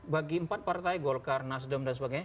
bagi empat partai golkar nasdem dan sebagainya